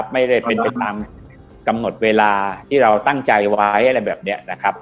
ไม่ได้เป็นไปตามกำหนดเวลาที่เราตั้งใจไว้อะไรแบบนี้นะครับ